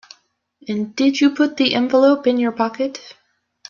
And did you put the envelope in your pocket?